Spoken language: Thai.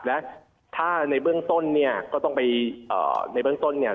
และถ้าในเบื้องต้นเนี่ยก็ต้องไปในเบื้องต้นเนี่ย